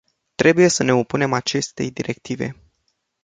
Trebuie să ne opunem acestei directive.